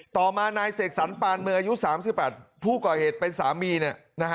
ต่อมานายเสกสรรปานมืออายุ๓๘ผู้ก่อเหตุเป็นสามี